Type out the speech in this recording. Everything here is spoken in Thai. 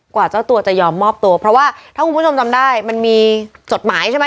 เจ้าตัวจะยอมมอบตัวเพราะว่าถ้าคุณผู้ชมจำได้มันมีจดหมายใช่ไหม